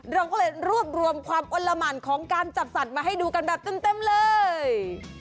เราก็เลยรวบรวมความอ้นละหมั่นของการจับสัตว์มาให้ดูกันแบบเต็มเลย